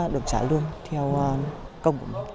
được trả lương theo công của mình